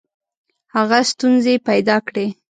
هغه ستونزي پیدا کړې.